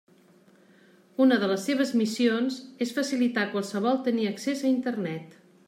Una de les seves missions és facilitar a qualsevol tenir accés a Internet.